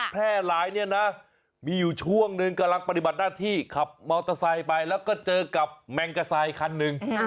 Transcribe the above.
แพร่หลายเนี่ยนะมีอยู่ช่วงหนึ่งกำลังปฏิบัติหน้าที่ขับมอเตอร์ไซค์ไปแล้วก็เจอกับแมงกาไซคันหนึ่ง